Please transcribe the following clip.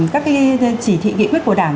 các cái chỉ thị nghị quyết của đảng